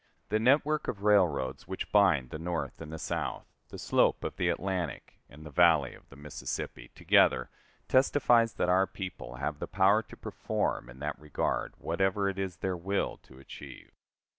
The network of railroads which bind the North and the South, the slope of the Atlantic and the valley of the Mississippi, together, testifies that our people have the power to perform, in that regard, whatever it is their will to achieve.